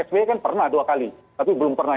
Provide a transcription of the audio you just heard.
sby kan pernah dua kali tapi belum pernah